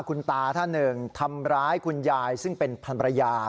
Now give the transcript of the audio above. คุณตาท่านหนึ่งทำร้ายคุณยายซึ่งเป็นพันรยา